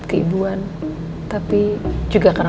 keibuan tapi juga karena